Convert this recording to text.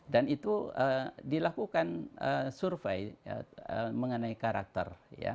dan itu dilakukan survive mengenai karakter